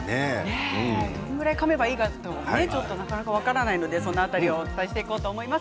どれくらいかめばいいか分からないので、その辺りお伝えしていこうと思います。